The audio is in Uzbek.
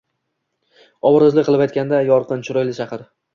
Obrazli qilib aytganda, yorqin, chiroyli shahar